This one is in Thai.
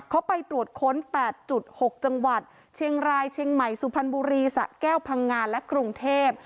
เขาไปตรวจค้น๘๖จังหวัดเชียงรายเชียงใหม่สุพรรณบุรีสะแก้วพังงานและกรุงเทพ